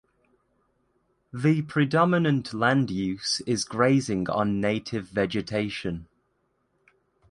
The predominant land use is grazing on native vegetation.